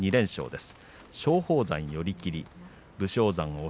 ２連勝です。